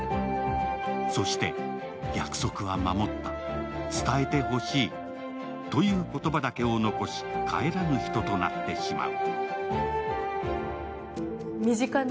そして約束は守った、伝えてほしいという言葉だけを残し帰らぬ人となってしまう。